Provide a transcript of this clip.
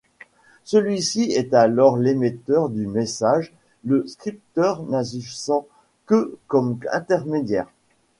Celui-ci est alors l'émetteur du message, le scripteur n'agissant que comme intermédiaire.